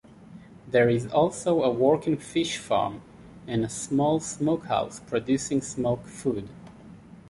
There is also a working fish farm and a small smokehouse producing smoked foods.